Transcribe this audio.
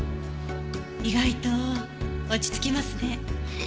意外と落ち着きますね。